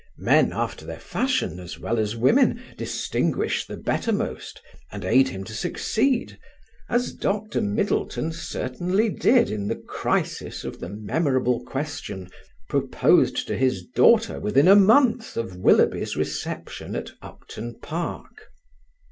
Men, after their fashion, as well as women, distinguish the bettermost, and aid him to succeed, as Dr. Middleton certainly did in the crisis of the memorable question proposed to his daughter within a month of Willoughby's reception at Upton Park.